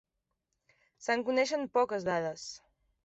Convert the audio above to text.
Se'n coneixen poques dades.